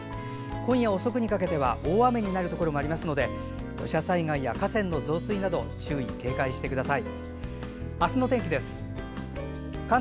今夜遅くにかけては大雨になるところがありますので土砂災害や河川の増水などに注意・警戒してください。